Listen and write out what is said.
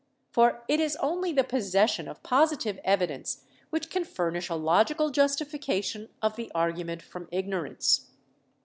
For it is only the possession of positive evidence which can furnish a logical justification of the argument from ignorance.